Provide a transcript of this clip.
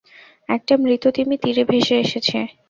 একটা মৃত তিমি তীরে ভেসে এসেছে।